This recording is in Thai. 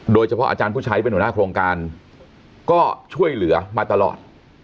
อาจารย์ผู้ใช้เป็นหัวหน้าโครงการก็ช่วยเหลือมาตลอด